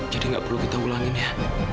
jadi nggak perlu kita ulangin ya